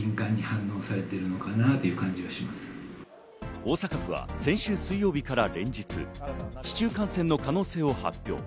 大阪府は先週水曜日から連日、市中感染の可能性があることを発表。